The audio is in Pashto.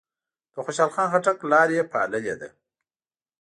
د خوشحال خان خټک لار یې پاللې ده.